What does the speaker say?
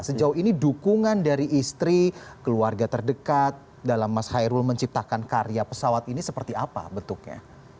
sejauh ini dukungan dari istri keluarga terdekat dalam mas hairul menciptakan karya pesawat ini seperti apa bentuknya